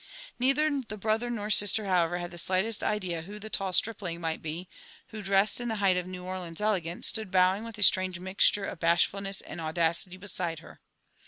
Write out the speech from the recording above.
Neither the brother nor sister, however, had the slightest idea who the tall stripling might be, who, dressed in the height of New Orleans elegatioe, stood bowing with a strange mixture of bashfulness and audacity beside her.